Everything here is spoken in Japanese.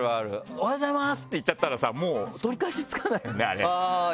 「おはようございます！」って言っちゃったらさもう取り返しつかないよねあれ。